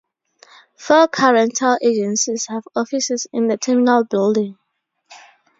Four car rental agencies have offices in the terminal building.